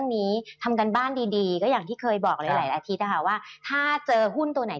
พี่หนิงครับส่วนตอนนี้เนี่ยนักลงทุนอยากจะลงทุนแล้วนะครับเพราะว่าระยะสั้นรู้สึกว่าทางสะดวกนะครับ